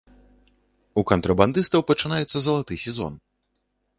У кантрабандыстаў пачынаецца залаты сезон.